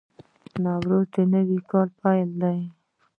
نوروز د نوي کال پیل دی.